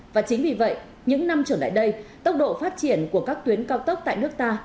và chính vì vậy những năm trở lại đây tốc độ phát triển của các tuyến cao tốc tại nước ta